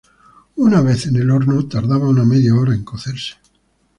Una vez en el horno tardaba una media hora en cocerse.